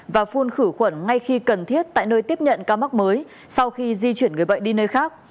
và phun khử khuẩn ngay khi cần thiết tại nơi tiếp nhận ca mắc mới sau khi di chuyển người bệnh đi nơi khác